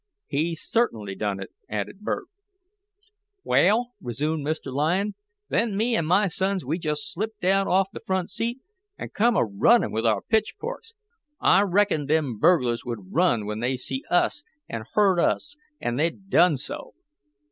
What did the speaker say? "He certainly done it," added Burt. "Wa'al," resumed Mr. Lyon, "then me an my sons we jest slipped down off the front seat, an' come a runnin' with our pitchforks. I reckoned them burglars would run when they see us an' heard us, an' they done so."